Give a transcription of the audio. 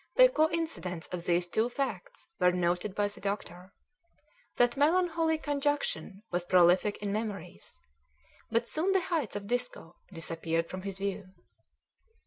The coincidence of these two facts were noted by the doctor; that melancholy conjunction was prolific in memories, but soon the heights of Disko disappeared from his view.